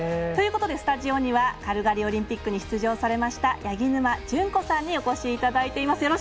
ということで、スタジオにはカルガリーオリンピックに出場されました八木沼純子さんにお越しいただいています。